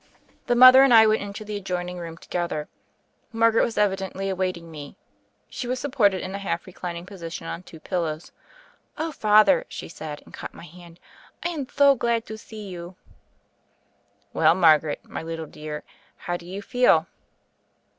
The mother and I went into the adjoining room together. Margaret was evidently await ing me. She was supported in a half reclining position on two pillows. "Oh, Father 1" she said, and caught my hand, "I am tho glad to thee you." "Well, Margaret, my little dear, how do you feel?"